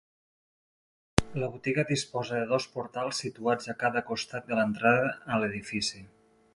La botiga disposa de dos portals situats a cada costat de l'entrada a l'edifici.